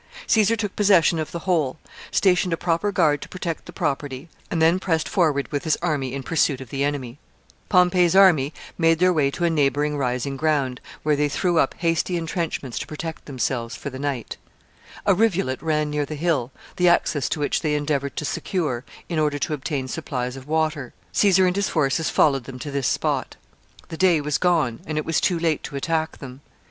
Caesar took possession of the whole, stationed a proper guard to protect the property, and then pressed forward with his army in pursuit of the enemy. [Sidenote: Retreat of Pompey's army.] [Sidenote: Surrender of Pompey's army.] Pompey's army made their way to a neighboring rising ground, where they threw up hasty intrenchments to protect themselves for the night. A rivulet ran near the hill, the access to which they endeavored to secure, in order to obtain supplies of water. Caesar and his forces followed them to this spot. The day was gone, and it was too late to attack them.